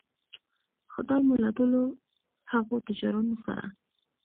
خدای مو له ټولو هغو تجارانو سره